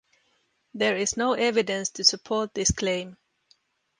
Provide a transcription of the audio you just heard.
There is no evidence to support this claim.